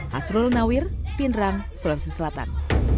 hasrul nawir pindrang sulawesi selatan